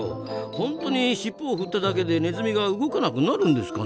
本当にしっぽを振っただけでネズミが動かなくなるんですかね？